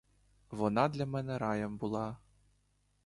Вона для мене раєм була.